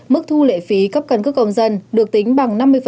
mức thu lệ phí cấp căn cước công dân được tính bằng năm mươi